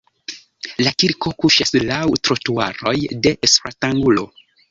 La kirko kuŝas laŭ trotuaroj de stratangulo.